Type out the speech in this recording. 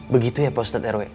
begitu ya pak ustadz rw